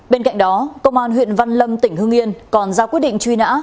bên cạnh đó công an huyện văn lâm tỉnh hương yên còn ra quyết định truy nã